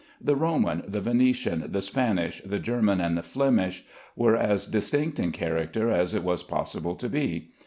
The Roman, the Venetian, the Spanish, the German, and the Flemish, were as distinct in character as it was possible to be.